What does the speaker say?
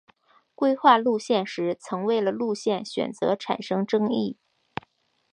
规划路线时曾为了路线选择产生争议。